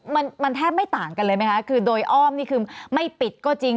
มันมันแทบไม่ต่างกันเลยไหมคะคือโดยอ้อมนี่คือไม่ปิดก็จริง